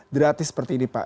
gratis seperti ini pak